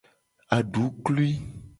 Aduklui.